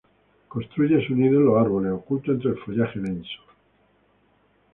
Construye su nido en los árboles, oculto entre el follaje denso.